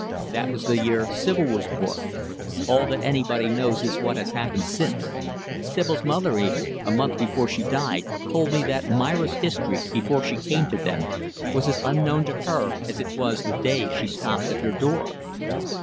That was the year Sibyl was born. All that anybody knows is what has happened since. Sibyl's mother, even a month before she died told me that Myra's history, before she came to them, was as unknown to her as it was the day she stopped at their door."